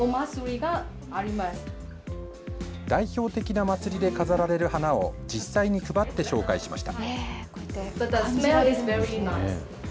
代表的な祭りで飾られる花を実際に配って紹介しました。